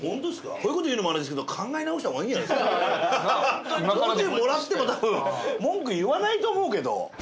こういう事言うのもあれですけどもうちょいもらっても多分文句言わないと思うけど。